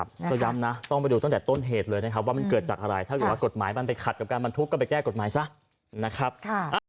เป็นเรื่องสวยครับถ้าก็จัดทางไปแล้วล่ะเดี๋ยวเขาจะรับส่วน